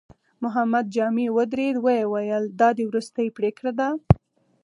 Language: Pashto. محمد جامي ودرېد، ويې ويل: دا دې وروستۍ پرېکړه ده؟